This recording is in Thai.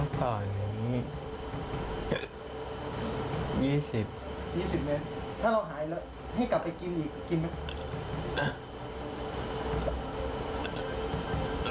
โต๊ะนี่๒๐แมนถ้าเราหายแล้วให้กลับไปกินดีกับกินไม่